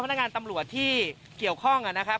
ก็ตอบได้คำเดียวนะครับ